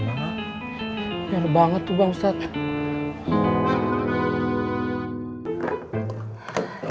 benar banget tuh bang ustadz